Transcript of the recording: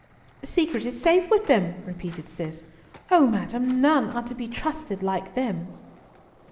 "The secret is safe with them," repeated Cis. "O madam, none are to be trusted like them."